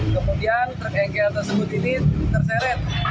kemudian truk bengkel tersebut ini terseret